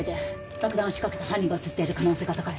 爆弾を仕掛けた犯人が写っている可能性が高い。